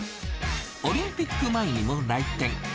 オリンピック前にも来店。